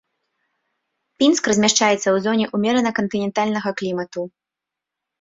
Пінск размяшчаецца ў зоне ўмерана кантынентальнага клімату.